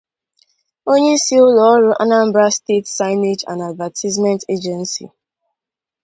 onyeisi ụlọọrụ 'Anambra State Signage and Advertisement Agency